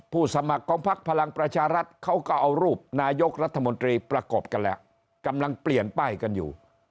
สมัครของพักพลังประชารัฐเขาก็เอารูปนายกรัฐมนตรีประกบกันแล้วกำลังเปลี่ยนป้ายกันอยู่